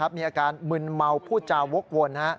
มีอาการมึนเมาพูดจาวกวน